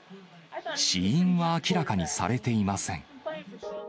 死因は明らかにされていません。